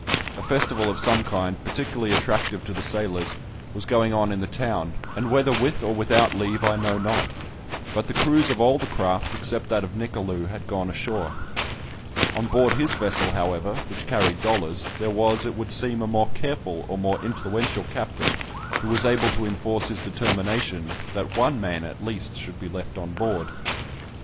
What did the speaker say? A festival of some kind, particularly attractive to the sailors, was going on in the town, and whether with or without leave I know not, but the crews of all the craft, except that of Nicolou, had gone ashore. On board his vessel, however, which carried dollars, there was, it would seem, a more careful, or more influential captain, who was able to enforce his determination that one man, at least, should be left on board.